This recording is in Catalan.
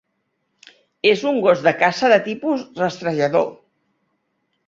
És un gos de caça de tipus rastrejador.